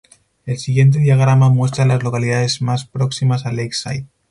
El siguiente diagrama muestra a las localidades más próximas a Lakeside.